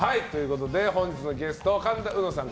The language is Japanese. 本日のゲスト、神田うのさん